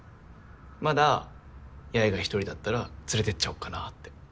まだ八重が１人だったら連れてっちゃおっかなって。